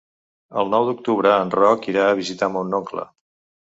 El nou d'octubre en Roc irà a visitar mon oncle.